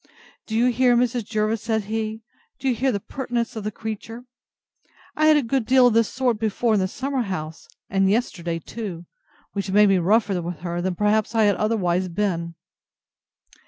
Do you hear, Mrs. Jervis? said he: do you hear the pertness of the creature? I had a good deal of this sort before in the summer house, and yesterday too, which made me rougher with her than perhaps I had otherwise been.